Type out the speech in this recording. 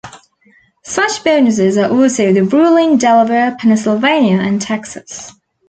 Such bonuses are also the rule in Delaware, Pennsylvania, and Texas.